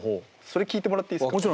それ聴いてもらっていいですか？